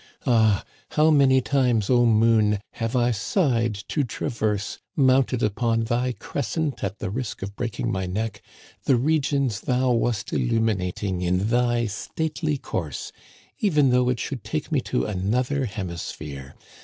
Ah, how many times, O moon, have I sighed to traverse, mounted upon thy crescent at the risk of breaking my neck, the regions thou wast illuminating in thy stately course, even though it should take me to another hemi sphere